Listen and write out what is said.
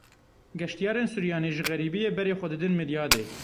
Geştyarên Suryanî ji xeribiyê berê xwe didin Midyadê.